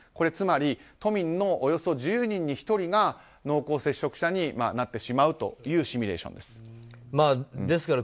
つまり、都民のおよそ１０人に１人が濃厚接触者になってしまうという試算です。